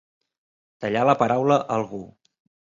Tallar la paraula a algú.